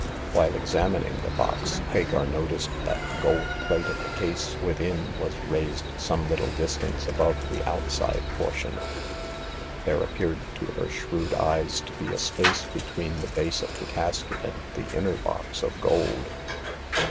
While examining the box, Hagar noticed that 232 Hagar of the Pawn Shop. the gold plate of the case within was raised some little distance above the outside portion. There appeared to her shrewd eyes to be a space be tween the base of the casket and the inner box of gold.